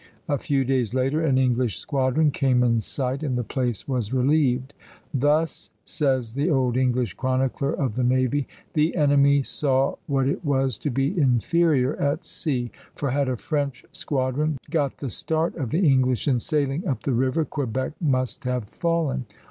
A few days later an English squadron came in sight, and the place was relieved. "Thus," says the old English chronicler of the navy, "the enemy saw what it was to be inferior at sea; for, had a French squadron got the start of the English in sailing up the river, Quebec must have fallen."